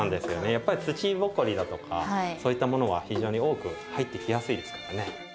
やっぱり土ぼこりだとかそういったものが非常に多く入ってきやすいですからね。